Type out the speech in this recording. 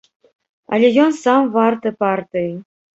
Але ён сам варты партыі.